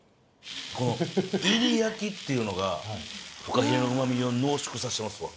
この煎り焼きっていうのがふかひれの旨味を濃縮させてますわ。